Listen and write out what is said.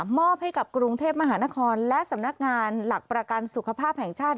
มอบให้กับกรุงเทพมหานครและสำนักงานหลักประกันสุขภาพแห่งชาติ